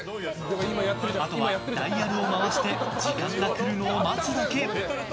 あとはダイヤルを回して時間が来るのを待つだけ。